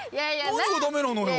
何がダメなのよ？